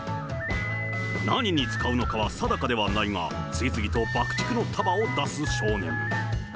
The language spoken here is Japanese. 何に使うのかは定かではないが、次々と爆竹の束を出す少年。